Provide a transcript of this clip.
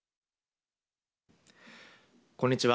こんにちは。